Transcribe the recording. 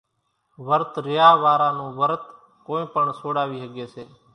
ورت ريا وارا نون ورت ڪونئين پڻ سوڙاوي ۿڳي سي۔